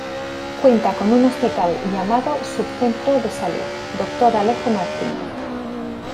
Cuenta con un hospital llamado Sub-Centro de Salud "Dr. Alejo Martínez".